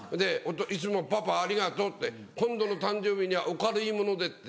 「いつもパパありがとう今度の誕生日にはお軽いもので」。